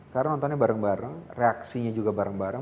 karena nontonnya bareng bareng reaksinya juga bareng bareng